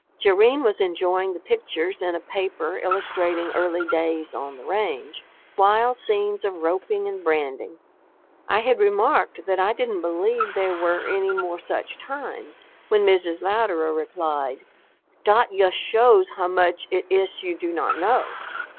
Jerrine was enjoying the pictures in a paper illustrating early days on the range, wild scenes of roping and branding. I had remarked that I didn't believe there were any more such times, when Mrs Louderer replied, "Dot yust shows how much it iss you do not know.